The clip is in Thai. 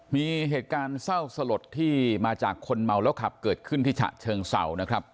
มีเหตุการณ์เศร้าสลดที่มาจากคนเมาแล้วขับเกิดขึ้นที่ฉะเชิงเศร้านะครับ